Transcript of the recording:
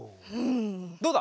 どうだ？